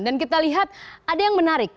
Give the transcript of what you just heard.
dan kita lihat ada yang menarik